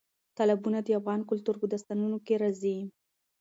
تالابونه د افغان کلتور په داستانونو کې راځي.